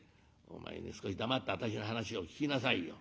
「お前ね少し黙って私の話を聞きなさいよ。